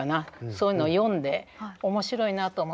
そういうのを読んで面白いなと思って。